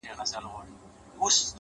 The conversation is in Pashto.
خدايه هغه داسي نه وه،